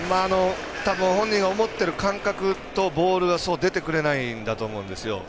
本人が思ってる感覚とボールが出てくれないんだと思うんですよ。